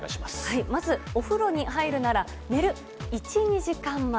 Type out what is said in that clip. まず、お風呂に入るなら寝る１２時間前。